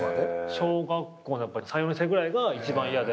小学校３４年生ぐらいが一番嫌で。